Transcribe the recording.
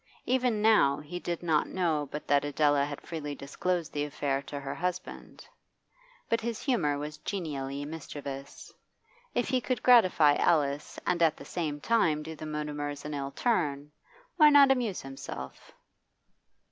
Even now he did not know but that Adela had freely disclosed the affair to her husband. But his humour was genially mischievous. If he could gratify Alice and at the same time do the Mutimers an ill turn, why not amuse himself?